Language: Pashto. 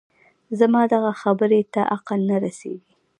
زما دغه خبرې ته عقل نه رسېږي